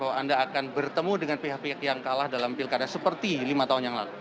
bahwa anda akan bertemu dengan pihak pihak yang kalah dalam pilkada seperti lima tahun yang lalu